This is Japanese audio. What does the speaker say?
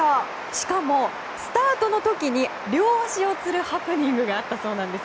しかも、スタートの時に両足をつるハプニングがあったそうなんです。